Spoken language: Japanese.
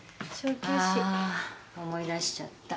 思い出しちゃった。